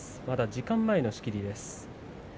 時間前の仕切りです。